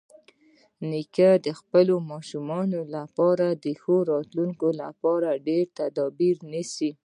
نیکه د خپلو ماشومانو لپاره د ښه راتلونکي لپاره ډېری تدابیر نیسي.